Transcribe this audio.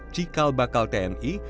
cikal bakal tni